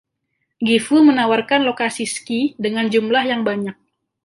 Gifu menawarkan lokasi ski dengan jumlah yang banyak.